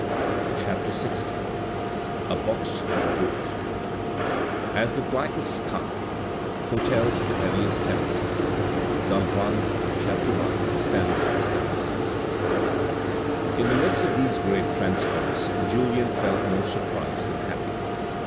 CHAPTER LX A BOX AT THE BOUFFES As the blackest sky Foretells the heaviest tempest Don Juan, c. I. st. 76. In the midst of these great transports Julien felt more surprised than happy.